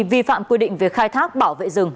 vi phạm quy định về khai thác bảo vệ rừng